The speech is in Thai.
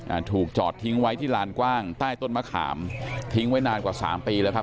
อ่าถูกจอดทิ้งไว้ที่ลานกว้างใต้ต้นมะขามทิ้งไว้นานกว่าสามปีแล้วครับ